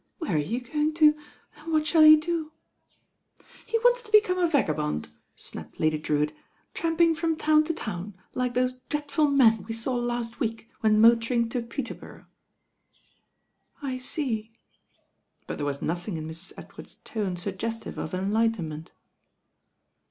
"Where are you going to, and what shall you do?" "He wants to become a vagabond," snapped Lady Drewitt, "tramping from town to town, like those dreadful men we saw last week when motoring to Peterborough." "I see;" but there was nothing in Mrs. Edward's tone suggestive of enlightenment.